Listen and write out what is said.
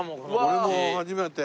俺も初めて。